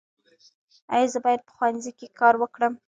ایا زه باید په ښوونځي کې کار وکړم؟